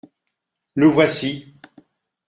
—Le voici.